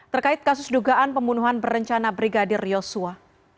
terkait kasus dugaan pembunuhan berencana brigadir yosua